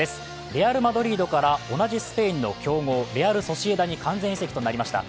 レアル・マドリードから同じスペインの強豪、レアル・ソシエダに完全移籍となりました。